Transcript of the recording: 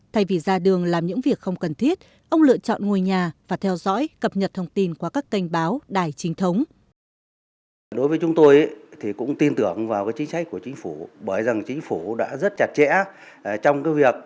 thay vì ra đường làm những việc không cần thiết ông lựa chọn ngồi nhà và theo dõi cập nhật thông tin qua các kênh báo đài chính thống